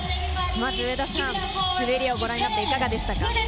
まず上田さん、滑りをご覧になっていかがですか？